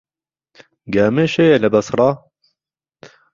گامێش هەیە لە بەسڕە.